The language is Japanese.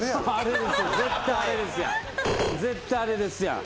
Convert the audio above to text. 絶対あれですやん。